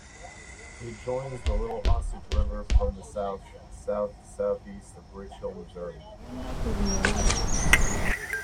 It joins the Little Osage River from the south, south-southeast of Rich Hill, Missouri.